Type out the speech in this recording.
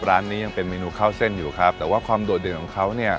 ร้านนี้ยังเป็นเมนูข้าวเส้นอยู่ครับแต่ว่าความโดดเด่นของเขาเนี่ย